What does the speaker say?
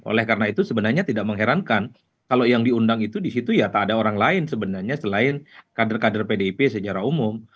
oleh karena itu sebenarnya tidak mengherankan kalau yang diundang itu disitu ya tak ada orang lain sebenarnya selain kader kader pdip secara umum